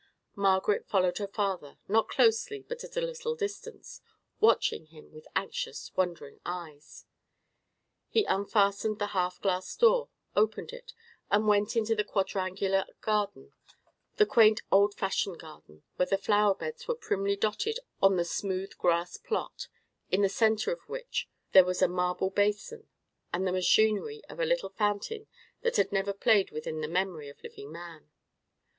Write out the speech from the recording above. Margaret followed her father, not closely, but at a little distance, watching him with anxious, wondering eyes. He unfastened the half glass door, opened it, and went out into the quadrangular garden, the quaint old fashioned garden, where the flower beds were primly dotted on the smooth grass plot, in the centre of which there was a marble basin, and the machinery of a little fountain that had never played within the memory of living man.